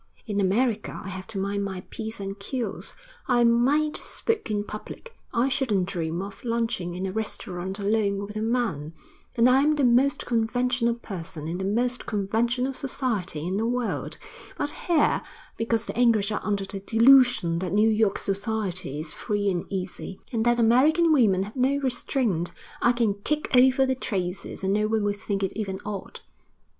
In America I have to mind my p's and q's. I mayn't smoke in public, I shouldn't dream of lunching in a restaurant alone with a man, and I'm the most conventional person in the most conventional society in the world; but here, because the English are under the delusion that New York society is free and easy, and that American women have no restraint, I can kick over the traces, and no one will think it even odd.'